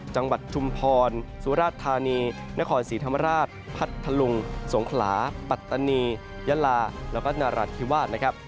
ชุมพรสุราชธานีนครศรีธรรมราชพัทธลุงสงขลาปัตตานียะลาแล้วก็นรัฐธิวาสนะครับ